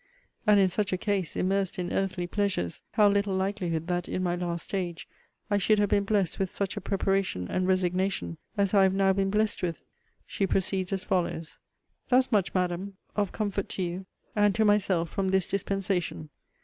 And in such a case, immersed in earthly pleasures, how little likelihood, that, in my last stage, I should have been blessed with such a preparation and resignation as I have now been blessed with?' She proceeds as follows: 'Thus much, Madam, of comfort to you and to myself from this dispensation.